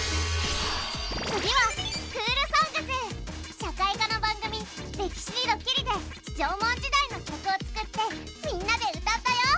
次は社会科の番組「歴史にドキリ」で縄文時代の曲を作ってみんなで歌ったよ。